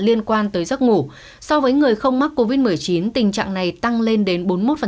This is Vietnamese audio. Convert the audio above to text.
liên quan tới giấc ngủ so với người không mắc covid một mươi chín tình trạng này tăng lên đến bốn mươi một